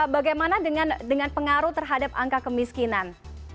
bagaimana dengan pengaruh terhadap angka kemiskinan